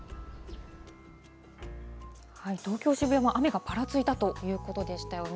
東京・渋谷も雨がぱらついたということでしたよね。